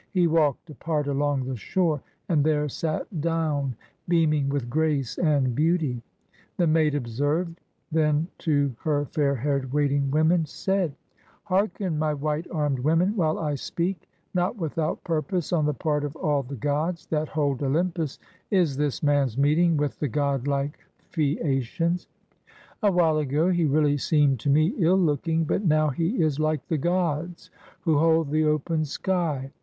He walked apart along the shore, and there sat down, beaming with grace and beauty. The maid observed; then to her fair haired waiting women said :— "Hearken, my white armed women, while I speak. Not without purpose on the part of all the gods that hold Olympus is this man's meeting with the godlike 30 PRINCESS NAUSICAA AND THE SAILOR Phaeacians. A while ago, he really seemed to me ill looking, but now he is like the gods who hold the open sky.